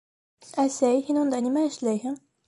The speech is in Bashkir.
— Әсәй, һин унда нимә эшләйһең?